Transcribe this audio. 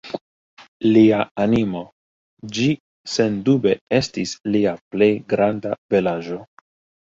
Lia animo, ĝi sendube estis lia plej granda belaĵo!